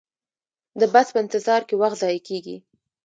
د بس په انتظار کې وخت ضایع کیږي